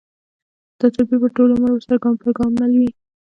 دا تدبیر به ټول عمر ورسره ګام پر ګام مل وي